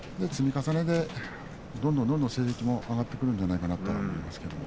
どんどんどんどん成績も上がってくるんじゃないかと思います。